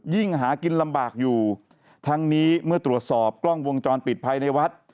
หากินลำบากอยู่ทั้งนี้เมื่อตรวจสอบกล้องวงจรปิดภายในวัด